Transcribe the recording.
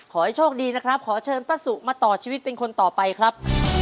ขอให้โชคดีนะครับขอเชิญป้าสุมาต่อชีวิตเป็นคนต่อไปครับ